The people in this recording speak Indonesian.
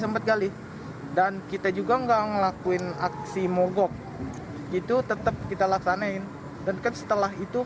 sempat kali dan kita juga enggak ngelakuin aksi mogok itu tetap kita laksanain dan kan setelah itu